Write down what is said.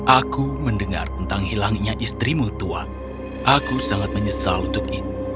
aku mendengar tentang hilangnya istrimu tuan aku sangat menyesal untuk itu